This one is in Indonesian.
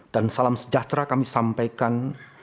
dan salam sejahtera kami sampaikan